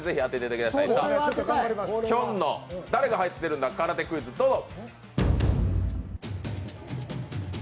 きょんの誰が入っているんだ空手クイズ、ドン！